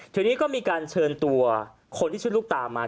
ทีนี้ก็มีการเชิญตัวคนที่ชื่อลูกตามา